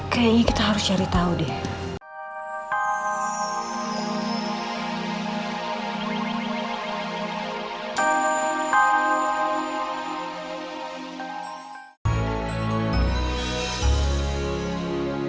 kayaknya kita harus cari tahu deh